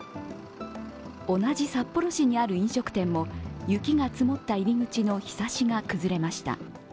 同じ札幌市にある飲食店も雪が積もった入り口のひさしが崩れました。